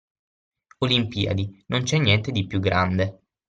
Olimpiadi, non c'è niente di più grande!